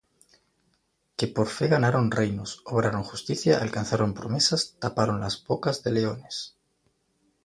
Que por fe ganaron reinos, obraron justicia, alcanzaron promesas, taparon las bocas de leones,